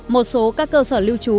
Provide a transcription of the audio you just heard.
một số các cơ sở lưu trú